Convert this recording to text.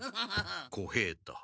小平太。